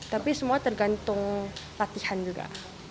tapi semua tergantung latihan juga